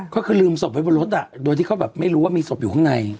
ก็คือลืมศพไว้บนรถโดยที่เขาแบบไม่รู้ว่ามีศพอยู่ข้างใน